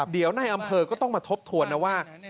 เดี๋ยวในอำเภอก็ต้องมาทบทวนนะว่า